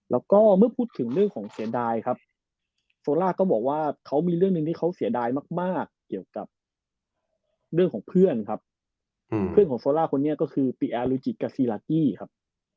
แล้วก็เมื่อพูดถึงเรื่องของเสียดายครับโซล่าก็บอกว่าเขามีเรื่องหนึ่งที่เขาเสียดายมากเกี่ยวกับเรื่องของเพื่อนครับเพื่อนของโซล่าคนนี้ก็คือปีแอลูจิกกับซีลากี้ครับ